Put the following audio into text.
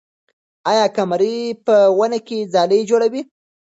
آیا قمري په ونې کې ځالۍ جوړوي؟